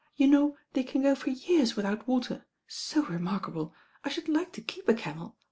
You know they can go for years without water. So remarkable. I should like to keep a camel.